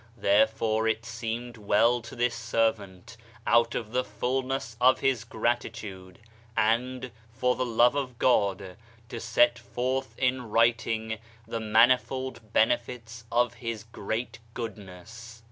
Therefore it seemed well to this servant, out of the fulness of his gratitude, and, for the love of God, to set forth in writing the manifold benefits of his great goodness.